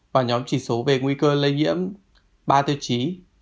và nhóm chỉ số về nguy cơ lây nhiễm ba tiêu chí